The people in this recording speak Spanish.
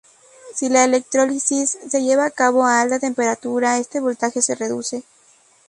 Si la electrólisis se lleva a cabo a alta temperatura, este voltaje se reduce.